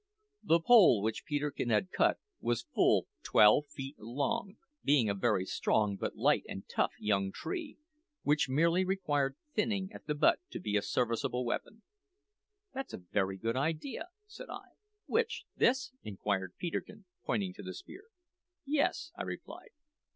The pole which Peterkin had cut was full twelve feet long, being a very strong but light and tough young tree, which merely required thinning at the butt to be a serviceable weapon. "That's a very good idea," said I. "Which this?" inquired Peterkin, pointing to the spear. "Yes," I replied.